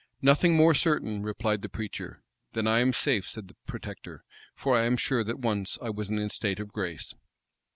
"Nothing more certain," replied the preacher. "Then I am safe," said the protector; "for I am sure that once I was in a state of grace."